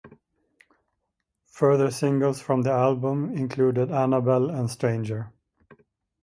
Further singles from the album included "Annabel" and "Stranger".